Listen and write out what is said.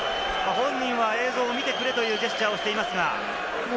本人は映像を見てくれというジェスチャーをしていますが。